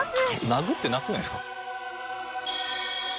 殴ってなくないですか？